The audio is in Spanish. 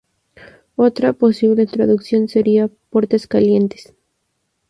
Otra posible traducción sería "Puertas Calientes".